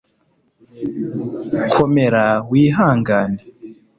komera wihangane